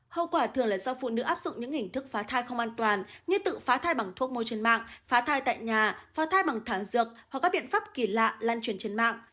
hậu quả thường là do phụ nữ áp dụng những hình thức phá thai không an toàn như tự phá thai bằng thuốc môi trên mạng phá thai tại nhà và thay bằng thẳng dược hoặc các biện pháp kỳ lạ lan truyền trên mạng